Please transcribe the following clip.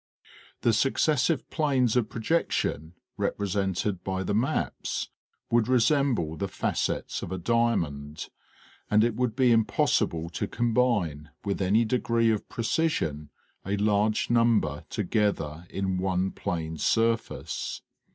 The successive planes of projection, represented by the maps, would resemble the facets of a diamond, and it would be impossible to combine with any degree of precision a large number. together in one plane surface.